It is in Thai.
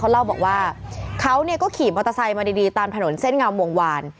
เล่าบอกว่าเขาก็ขี่มอเตอร์ไซค์มาดีตามถนนเส้นงามวงวาน